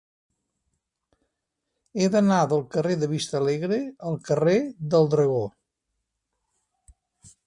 He d'anar del carrer de Vistalegre al carrer del Dragó.